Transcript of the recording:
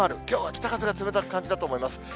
きょうは北風が冷たく感じたと思います。